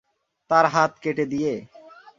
তার হাত কেটে দিয়ে?